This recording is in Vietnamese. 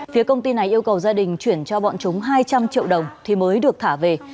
phía công ty này yêu cầu gia đình chuyển cho bọn chúng hai trăm linh triệu đồng thì mới được thả về